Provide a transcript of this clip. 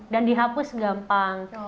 dan dihapus gampang